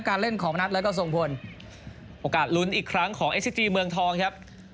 เล่นของมณัฐแล้วก็ทรงพลโอกาสลุ้นอีกครั้งของเอสซิจีเมืองทองครับ